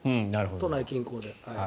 都内近郊で。